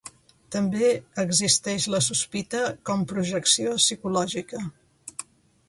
També existeix la sospita com projecció psicològica.